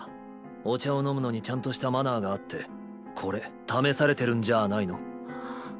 お茶を飲むのにちゃんとした「マナー」があってこれ試されてるんじゃあないの？